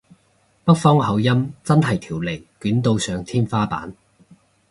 北方口音真係條脷捲到上天花板